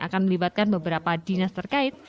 akan melibatkan beberapa dinas terkait